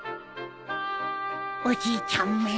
おじいちゃんめ